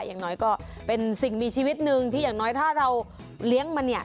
อย่างน้อยก็เป็นสิ่งมีชีวิตหนึ่งที่อย่างน้อยถ้าเราเลี้ยงมาเนี่ย